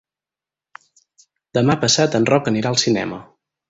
Demà passat en Roc anirà al cinema.